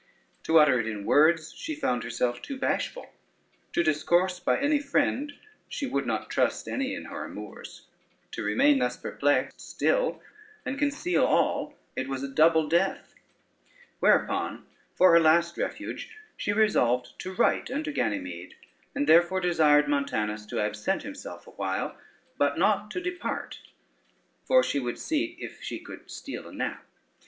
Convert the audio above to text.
To utter it in words she found herself too bashful; to discourse by any friend she would not trust any in her amours; to remain thus perplexed still and conceal all, it was a double death. Whereupon, for her last refuge, she resolved to write unto Ganymede, and therefore desired Montanus to absent himself a while, but not to depart, for she would see if she could steal a nap.